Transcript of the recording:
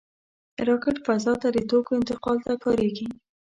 راکټ فضا ته د توکو انتقال ته کارېږي